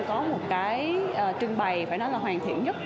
có một cái trưng bày phải nói là hoàn thiện nhất